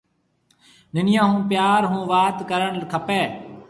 ننَيون هون پيار هون وات ڪرڻ کپيَ۔